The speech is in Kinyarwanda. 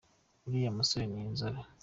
Uriya musore ni inzobe.